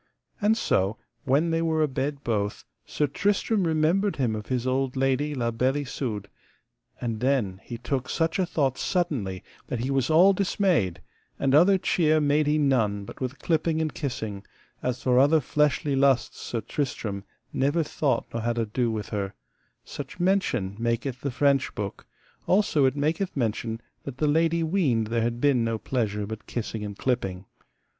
And so when they were abed both Sir Tristram remembered him of his old lady La Beale Isoud. And then he took such a thought suddenly that he was all dismayed, and other cheer made he none but with clipping and kissing; as for other fleshly lusts Sir Tristram never thought nor had ado with her: such mention maketh the French book; also it maketh mention that the lady weened there had been no pleasure but kissing and clipping.